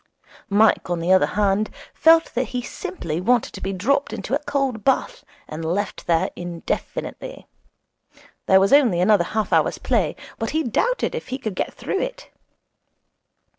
Mike, on the other hand, felt that he simply wanted to be dropped into a cold bath and left there indefinitely. There was only another half hour's play, but he doubted if he could get through it.